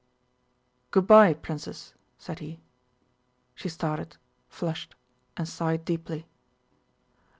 "Good by, Princess!" said he. She started, flushed, and sighed deeply.